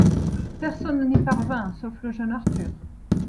Personne n'y parvint, sauf le jeune Arthur.